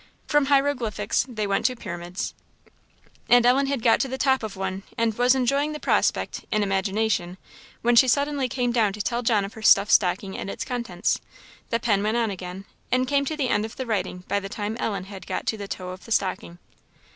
From hieroglyphics they went to the pyramids; and Ellen had got to the top of one, and was enjoying the prospect (in imagination), when she suddenly came down to tell John of her stuffed stocking and its contents. The pen went on again, and came to the end of the writing by the time Ellen had got to the toe of the stocking.